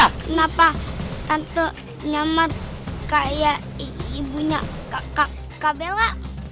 kenapa tante nyamat kayak ibunya kak bela